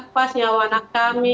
menjauhkan nyawa anak kami